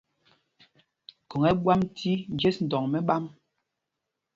Khôŋ ɛ́ ɛ́ ɓwam cī njes dɔ̌ŋ mɛ̄ɓām.